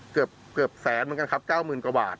เกือบแสนเหมือนกันครับ๙๐๐กว่าบาท